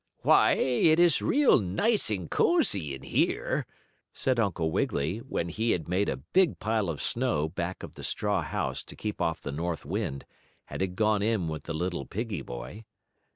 "Why, it is real nice and cozy in here," said Uncle Wiggily, when he had made a big pile of snow back of the straw house to keep off the north wind, and had gone in with the little piggie boy.